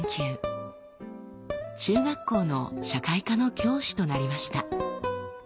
中学校の社会科の教師となりました。